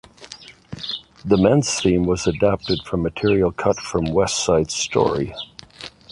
The men's theme was adapted from material cut from "West Side Story".